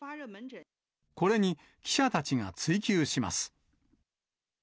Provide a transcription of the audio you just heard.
これに記者たちが追及します。